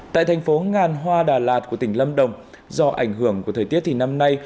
tại thành phố ngàn hoa đà lạt của tỉnh lâm đồng do ảnh hưởng của thời tiết thì năm nay